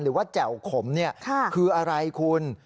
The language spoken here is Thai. หรือว่าแจวขมนี่คืออะไรคุณ